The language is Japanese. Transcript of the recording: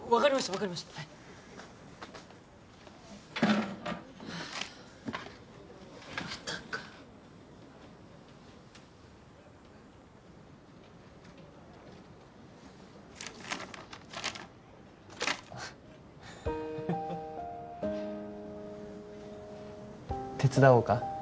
分かりましたはあまたか手伝おうか？